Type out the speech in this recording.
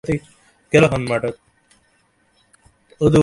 তিনি গুরুসদয় দত্তকে বিয়ে করেন।